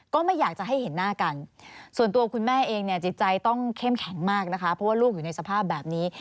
ก็ไม่อยากจะให้เห็นหน้ากันส่วนตัวคุณแม่เองเนี่ยจิตใจต้องเข้มแข็งมากนะคะเพราะว่าลูกอยู่ในสภาพแบบนี้